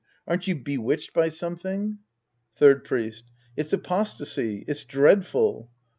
Aren't you bewitched by something ? Third Priest. It's apostasy. It's dreadful.